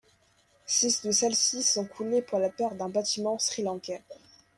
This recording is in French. Six de celles-ci sont coulées pour la perte d'un bâtiment sri lankais.